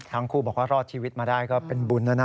ทั้งคู่บอกว่ารอดชีวิตมาได้ก็เป็นบุญแล้วนะ